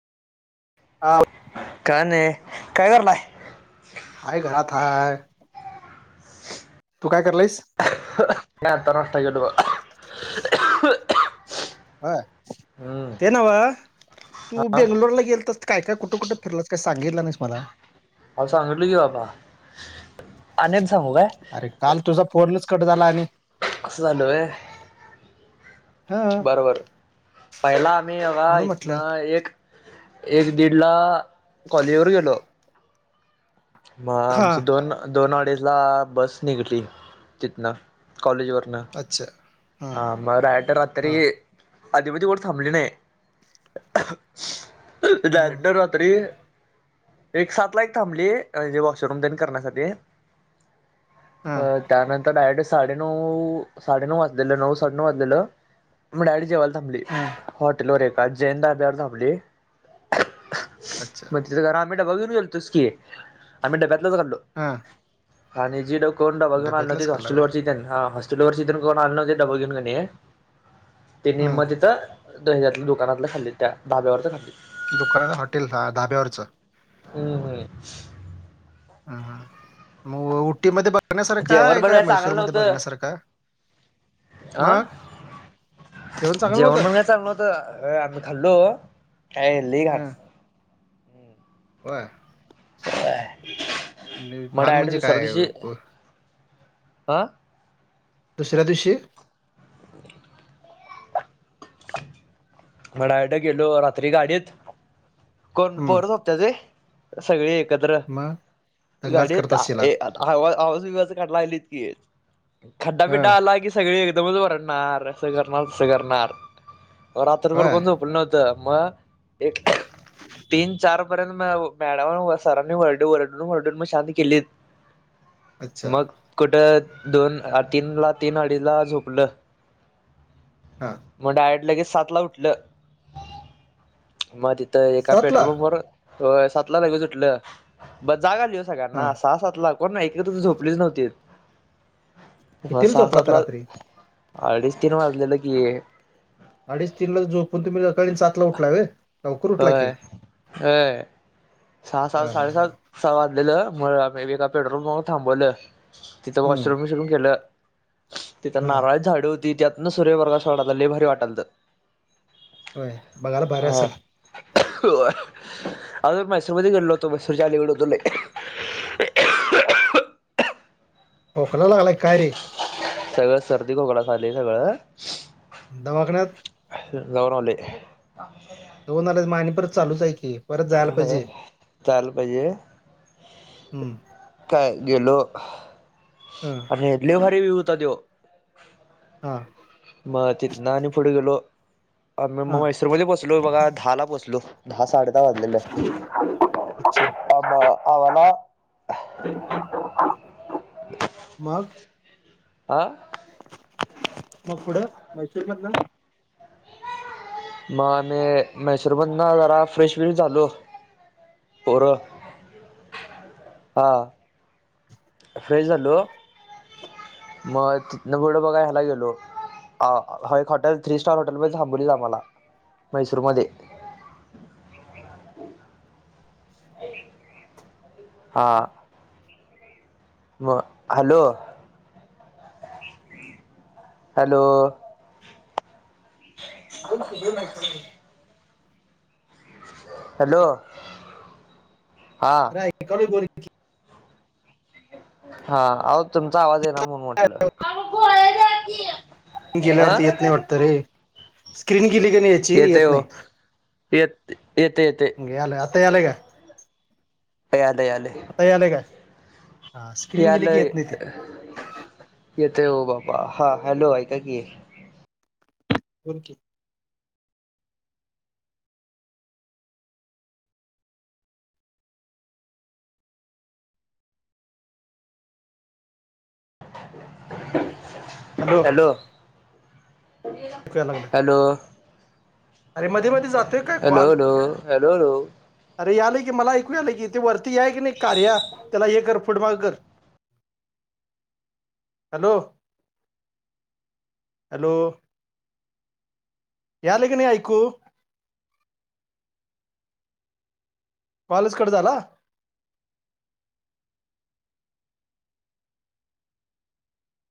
हा आ काय नाही काय करालाय? हाय घरात हाय तू काय करालायस? मी आता नाष्ट केलो बर हम्म ते नव्ह तू बेंगलो बेंगलोर गेलतास काय काय कुठं कुठं फिरलास काय सांगितला नाहीस मला आवो सांगितलो की बाबा अनेब सांगू काय? अरे काल तुझा फोनच कट झाला आणि असं झालं व्हय हा बरं बरं पहिला मी बघा म्हणून म्हटलं इथनं एक एक दीडला खोलीवर गेलो. मग हा आमचं दोन दोन अडिजला बस निघली तिथनं कॉलेजवरनं अच्छा. हा मग डायरेक्ट रात्री हा अधिमधि कुठं थांबली नाही. हम्म डायरेक्ट रात्री एक सात ला एक थांबली म्हणजे वॉशरूम तेन करण्यासाठी हा अ त्यानंतर डायरेक्ट साडेनऊ.. साडेनऊ वाजलेलं नऊ साडे नऊ वाजलेलं मग डायरेक्ट जेवायला थांबली हा हॉटेल वर एका जैन ढाब्यावर थांबली अच्छा तीथ जरा आम्ही डब घेऊन गोलतोच कि आणि मी डब्यातलच खालो हां आणि जी ड कोण डबा घेऊन आली नव्हतीत खाल्ला व्हय हॉस्टेलवरची तेंना हॉस्टेलवरची तेंन कोण आलं नव्हते डब घेऊन कने त्याने हम्म म तिथ हेज्यातल्या दुकानातलं खाल्लीत त्या ढाब्यावरच खाल्लीत दुकानाच हॉटेल हा धाब्यावरचं हम्म हम् हा मग उटीमध्ये बघण्यासारखा जेवण आहे पण का काय चांगलं मैसूरमध्ये बघण्यासारखा आहे? आ चांगलं जेवण होतं पण चांगल नव्हत आम्ही खाल्लो काय ले घान बर मग घाण डायरेक्ट म्हणजे दुसऱ्या काय दिवशी हं दुसऱ्या दिवशी म डायरेक्ट गेलो रात्री गाडीत कोण हम्म पोर झोपत्यात होय. सगळी एकत्र मग दंगाच करत गाडीत असशीला ए आवा आवाज बिवाज काढाय लागलीत की खड्डा हा बिडा आला की सगळी एकदमच वरडणार असं करणार तस करणार हा कोण झोपल नव्हत मग एक तीन चार पर्यंत मग मॅडम सरांनी वरडून वरडून वरडून म शांत केलीत अच्छा मग कुठं दोन तीन ला तीन अडीजला झोपलं हां म डायरेक्ट लगेच सातला उठलं मग तिथं एका सातला पेट्रोल पंपावर होय सात ला लगेच उटलं ब जाग आली हो हा सगळ्यांना सहा सात ला कोण नाही एकत्र तर झोपलीच नव्हतीत म कितीला सहा झोपला तर सातला रात्री अडीज तीन वाजलेलं की आडीच तीनला झोपून तुम्ही सकाळी सातला उठलाय व्हय व्हय व्हयं, सहा, सात हा हा साडे हा सात वाजलेलं म मी एका पेट्रोल पंपावर थांबवलं, तिथं हम्म वॉशरूम विशरूम केलं तिथ हा नारळाची झाड होती, त्यातन सूर्यप्रकाश पडलता लई भारी वाटालतं व्हय बघाला भारी असल? होय, आम्ही मैसूर मध्ये गेलो नव्हतो, मैसूरच्याअलीकड होतो लई खोखला लागलायं काय रे सगळं सर्दी खोकला झालाय सगळं दवाखान्यात? जाऊन आलोय जाऊन आलास आणि परत चालूच हाय की परत जायला होय पाहिजे चालू म्हणजे हम्म काय गेलो हम आणि लईभारी व्हियू होता त्यो हा मग तिथणं आणि पुढे गेलो, म हा मग मैसूरमध्ये पोचलो बघा दहाला पोचलो दहा साडे दहा वाजलेले, आब आम्हाला मग आं मग पुढं मैसूर मधन? म आम्ही मैसूर मधन जरा फ्रेश ब्रीश झालो. पोरं हां फ्रेश झालो. [unintelligible] म तिथनं पुढं बघा हेला गेलो अ, एक हॉटेल थ्री स्टार हॉटेल पण थांबवलेलं आम्हाला मैसूरमध्ये हां म हॅलो हॅलो बोला की [unintelligible] हॅलो, हा ऐकायला [unintelligible] हा, अहो तुमचा आवाज ईना म्हणून म्हटलं अ गेल्यावरती येत नाही वाटत रे, स्क्रीन गेली कणी येतय वो, येत, येतंय येतंय यायलाय, आता यायलाय काय? यायलंय, यायलंय आता यायलयं काय? हा स्क्रीन गेली की येत नाही ते येते वो बाबा, हा हॅलो ऐका की बोल की हॅलो कुठं याय लागलाय हॅलो, हॅलो मध्ये जातोय काय हॅलो कॉल हॅलो हॅलो अरे यायलय की मला ऐकू आलंय की ते वरती या की नाही कार्या, त्याला हे कर फूडमाग कर हॅलो. हॅलो. याले क नाही ऐकू? कॉलच कट झाला.